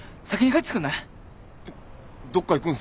えっどっか行くんすか？